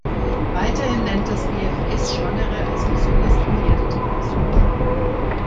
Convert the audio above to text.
Weiterhin nennt das BfS Schwangere als besonders gefährdete Personen.